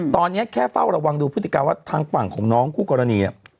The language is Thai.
ตอนนี้แค่เฝ้าระวังดูพฤติการว่าทางฝั่งของน้องคู่กรณีเนี่ย